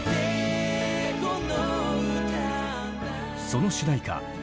その主題歌